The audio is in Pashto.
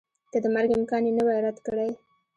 که د مرګ امکان یې نه وای رد کړی